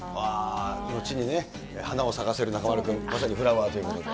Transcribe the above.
後に花を咲かせる中丸君、まさにフラワーということで。